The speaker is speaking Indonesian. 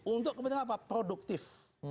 untuk kebetulan apa produktif